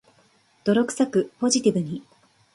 泥臭く、ポジティブに